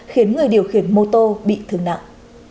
khiến người điều khiển mô tô bị thương nặng